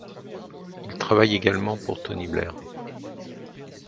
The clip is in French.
Il travaille également pour Tony Blair.